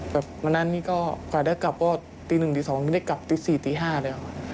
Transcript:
แบบวันนั้นนี่ก็กลายได้กลับก็ตี๑ตี๒ไม่ได้กลับตี๔ตี๕เลยค่ะ